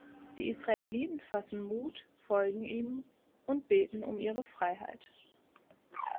Die Israeliten fassen Mut, folgen ihm und beten um ihre Freiheit.